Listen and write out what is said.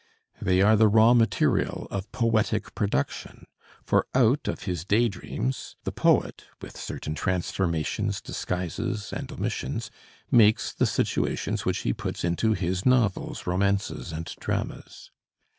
They are the raw material of poetic production, for out of his day dreams the poet, with certain transformations, disguises and omissions, makes the situations which he puts into his novels, romances and dramas.